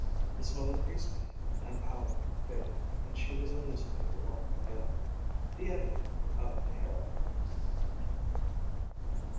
The smell of grease, paint and powder faded and she was a newspaperwoman again the editor of the Herald.